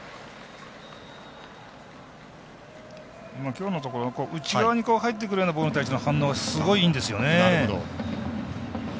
きょうのところ内側に入ってくるボールに対しての反応は、すごいいいんですよね。